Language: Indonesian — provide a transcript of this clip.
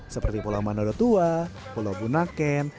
seperti pulau manado tua pulau bunaken dan pulau sejauh